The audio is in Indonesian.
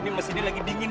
ini masih lagi dingin bu